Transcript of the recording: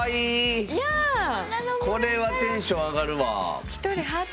これはテンション上がるわ。